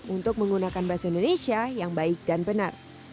untuk menggunakan bahasa indonesia yang baik dan benar